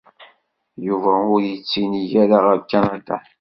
Yuba ur yettinig ara ɣer Kanada.